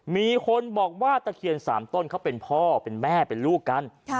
มีคนบอกว่าตะเคียน๓ต้นเขาเป็นพ่อเป็นแม่เป็นลูกกัน